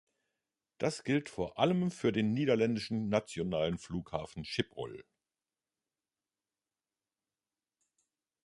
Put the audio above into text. Das gilt vor allem für den niederländischen nationalen Flughafen Schiphol.